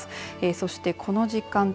そしてこの時間帯